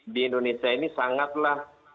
di indonesia ini sangatlah